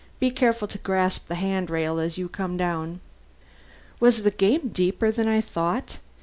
Be careful to grasp the hand rail as you come down." Was the game deeper than I thought?